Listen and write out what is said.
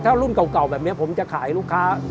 ถ้ารุ่นเก่าแบบนี้ผมจะขายลูกค้า